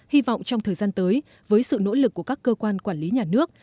hy vọng trong thời gian tới với sự nỗ lực của các cơ quan quản lý nhà nước